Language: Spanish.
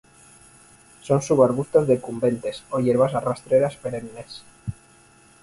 Son subarbustos decumbentes o hierbas rastreras perennes.